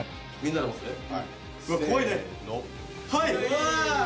はい！